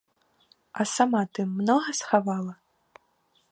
А сама ты многа схавала?